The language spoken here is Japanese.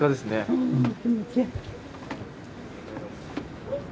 うん。